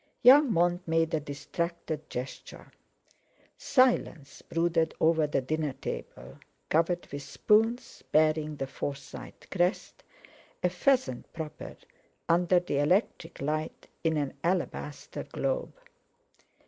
Young Mont made a distracted gesture. Silence brooded over the dinner table, covered with spoons bearing the Forsyte crest—a pheasant proper—under the electric light in an alabaster globe.